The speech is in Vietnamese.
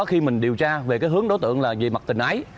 khi mình điều tra về cái hướng đối tượng là về mặt tình ái